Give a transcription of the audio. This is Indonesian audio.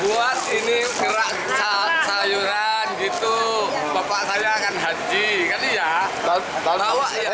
buat ini gerak sayuran gitu bapak saya kan haji kan iya